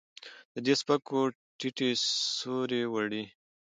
د دې سپکو ټيټې سورې وړي